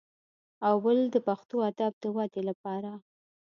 او بل د پښتو ادب د ودې لپاره